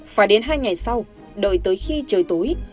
phải đến hai ngày sau đợi tới khi trời tối